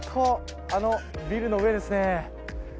あのビルの上ですね。